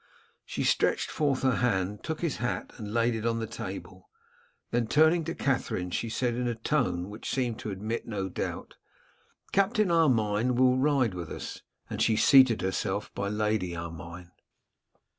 She stretched forth her hand, took his hat, and laid it on the table; then, turning to Katherine, she said, in a tone which seemed to admit no doubt, 'Captain Armine will ride with us;' and she seated herself by Lady Armine.